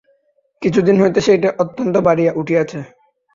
কিছুদিন হইতে সেইটে অত্যন্ত বাড়িয়া উঠিয়াছে।